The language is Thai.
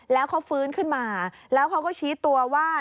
แล้วเขาฟื้นขึ้นมาแล้วเขาก็ชี้ตัวว่า